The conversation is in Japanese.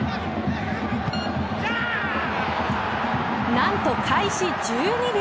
何と開始１２秒。